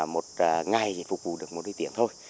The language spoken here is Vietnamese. một ngày thì phục vụ được một đứa tiếng thôi